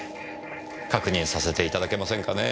確認させていただけませんかねぇ。